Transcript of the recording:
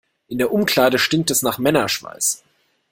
In der Umkleide stinkt es nach Männerschweiß.